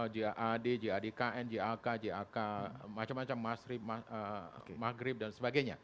jaad jadkn jak jak macam macam masrib maghrib dan sebagainya